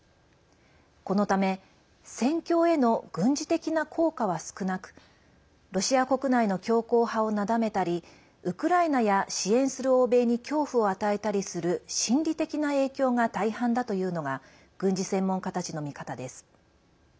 このため、戦況への軍事的な効果は少なくロシア国内の強硬派をなだめたりウクライナや支援する欧米に恐怖を与えたりする心理的な影響が大半だというのが軍事専門家たちの見方です。